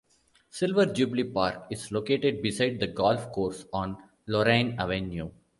Silver Jubilee Park is located beside the golf course on Lorraine Avenue.